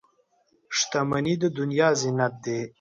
• شتمني د دنیا زینت دی.